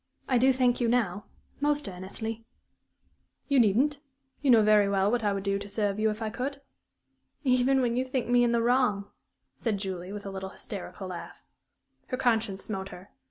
I do thank you now most earnestly." "You needn't. You know very well what I would do to serve you if I could." "Even when you think me in the wrong?" said Julie, with a little, hysterical laugh. Her conscience smote her.